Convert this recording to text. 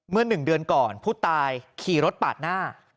เมื่อ๑เดือนก่อนผู้ตายขี่รถปาดหน้า